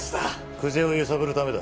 久瀬を揺さぶるためだ。